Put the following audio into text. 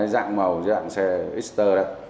dạng màu dạng xe xter đấy